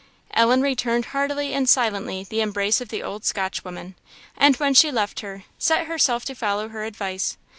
Ellen returned heartily and silently the embrace of the old Scotch woman, and when she left her, set herself to follow her advice.